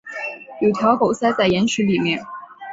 有条狗塞在岩石里面